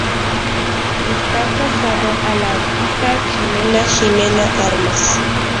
Está casado a la artista chilena Ximena Armas.